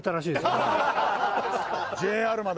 ＪＲまで。